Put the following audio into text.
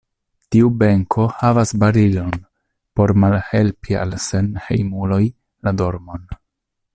Tiu benko havas barilon por malhelpi al senhejmuloj la dormon.